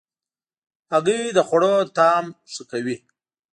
هګۍ د خوړو طعم ښه کوي.